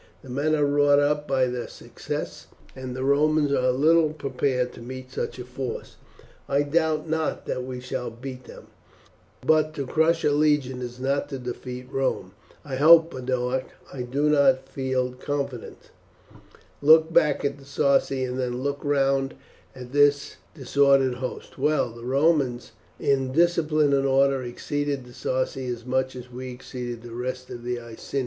The men are wrought up by their success, and the Romans are little prepared to meet such a force I doubt not that we shall beat them, but to crush a legion is not to defeat Rome. I hope, Boduoc, but I do not feel confident. Look back at the Sarci and then look round at this disordered host. Well, the Romans in discipline and order exceed the Sarci as much as we exceed the rest of the Iceni.